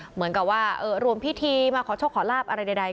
เหมือนกับว่ารวมพิธีมาขอโชคขอลาบอะไรใด